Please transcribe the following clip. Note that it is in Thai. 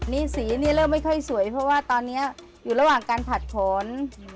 นี่สีนี่เริ่มไม่ค่อยสวยเพราะว่าตอนนี้อยู่ระหว่างการผลัดผล